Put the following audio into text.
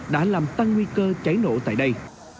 đã làm tăng nguy cơ cháy nổ tại đây